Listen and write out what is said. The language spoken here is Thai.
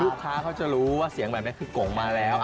ลูกค้าเขาจะรู้ว่าเสียงแบบนี้คือกงมาแล้ว